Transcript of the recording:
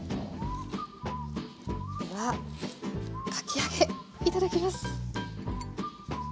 ではかき揚げいただきます！